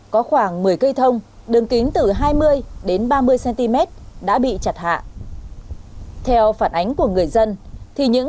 có khoảng một mươi cây thông đường kính từ hai mươi đến ba mươi cm đã bị chặt hạ theo phản ánh của người dân thì những